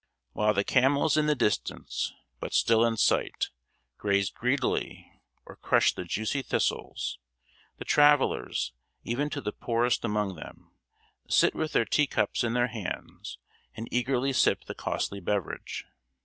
While the camels in the distance, but still in sight, graze greedily, or crush the juicy thistles, the travellers, even to the poorest among them, sit with their tea cups in their hands and eagerly sip the costly beverage.